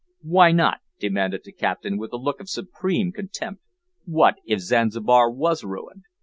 "Why not?" demanded the captain, with a look of supreme contempt, "what if Zanzibar was ruined?